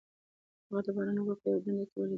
هغه د باران اوبه په یوه ډنډ کې ولیدې.